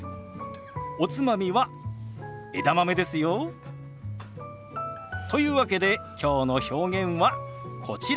おつまみは枝豆ですよ。というわけできょうの表現はこちら。